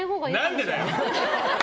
何でだよ！